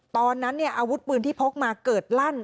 ตอนนั้นเนี่ยอาวุธปืนที่พกมาเกิดลั่น